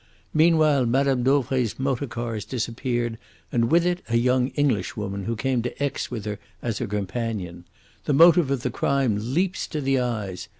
Meanwhile Mme. Dauvray's motor car has disappeared, and with it a young Englishwoman who came to Aix with her as her companion. The motive of the crime leaps to the eyes.